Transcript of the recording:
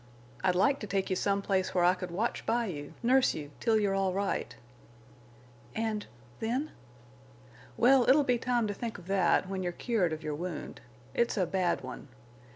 "I'd like to take you some place where I could watch by you, nurse you, till you're all right." "And—then?" "Well, it'll be time to think of that when you're cured of your wound. It's a bad one.